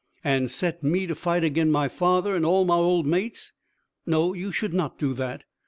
"And set me to fight agen my father, and all my old mates?" "No; you should not do that."